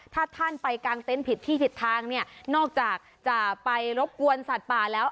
ถ้าท่านไปกางเต็นต์ผิดที่ผิดทางเนี่ยนอกจากจะไปรบกวนสัตว์ป่าแล้ว